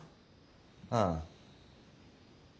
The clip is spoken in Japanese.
ああ。